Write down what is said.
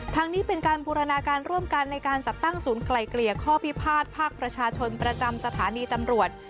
ทางนี้เป็นการบูรณาการร่วมกันในการจัดตั้งศูนย์ไกลเกลี่ยข้อพิพาทภาคประชาชนประจำสถานีตำรวจ